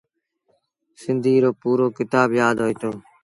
سنڌيٚ رو پورو ڪتآب يآدهوئيٚتو۔